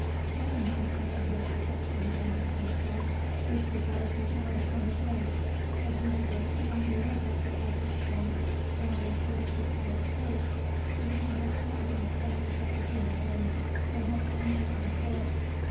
About a month after his rejection by Miss Armstrong, Richard Darke is out upon a chase; as usual along the edge of the cypress swamp, rather should it be called a search: since he has found no traces of the human game that has tempted him forth.